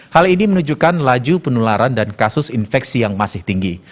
hal ini menunjukkan laju penularan dan kasus infeksi yang masih tinggi